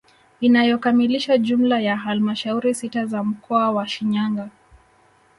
Inayokamilisha jumla ya halmashauri sita za mkoa wa Shinyanga